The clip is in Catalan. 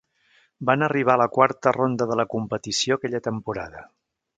Van arribar a la quarta ronda de la competició aquella temporada.